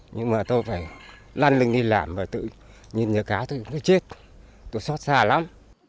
nhưng mà tôi phải lăn lên đi làm và tự nhìn nhớ cá tôi chết tôi xót xa lắm